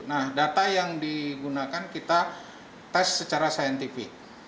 nah data yang digunakan kita tes secara saintifik